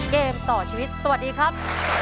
ขอบคุณครับ